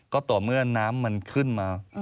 ก็ต่อเมื่อน้ำมันขึ้นมา